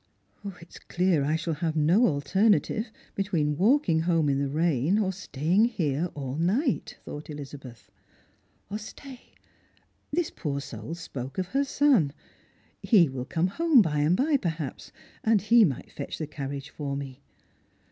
" It is clear I shall have no alternative between walking home in the rain or staying here all night," thought EUzabeth. " Or, stay : this poor soul spoke of her son ; he will come home by and by, pei"haps, and he might fetch the carriage for me."